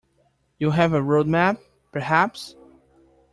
You have a road map, perhaps?